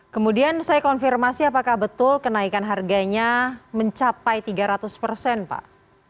kemudian saya konfirmasi apakah betul kenaikan harganya mencapai tiga ratus persen pak